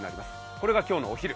これが今日のお昼。